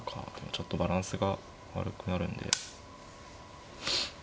ちょっとバランスが悪くなるんで。